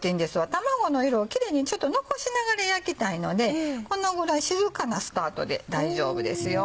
卵の色をキレイにちょっと残しながら焼きたいのでこのぐらい静かなスタートで大丈夫ですよ。